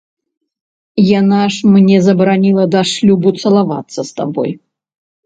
Яна ж мне забараніла да шлюбу цалавацца з табой.